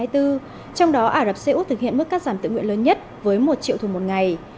trong đó ả rập xê út thực hiện mức cắt giảm tự nguyện lớn nhất với một triệu thùng một ngày